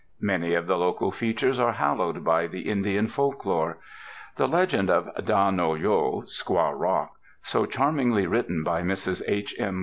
Many of the local features are hallowed by the Indian folk lore. The legend of Dah nol yo Squaw Rock, so charmingly written by Mrs. H. M.